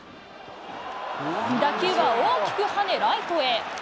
打球は大きく跳ね、ライトへ。